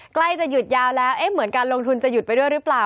ใกล้จะหยุดยาวแล้วเหมือนการลงทุนจะหยุดไปด้วยหรือเปล่า